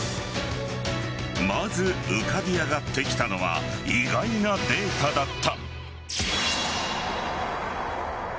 まず浮かび上がってきたのは意外なデータだった。